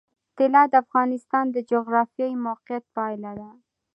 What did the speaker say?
طلا د افغانستان د جغرافیایي موقیعت پایله ده.